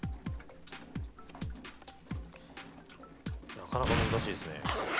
なかなか難しいですね。